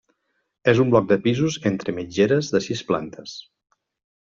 És un bloc de pisos entre mitgeres de sis plantes.